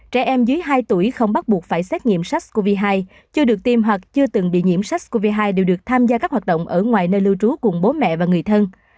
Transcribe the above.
trẻ em dưới hai tuổi không bắt buộc phải xét nghiệm sars cov hai chưa được tiêm hoặc chưa từng bị nhiễm sars cov hai đều được tham gia các hoạt động ở ngoài nơi lưu trú cùng bố mẹ và người thân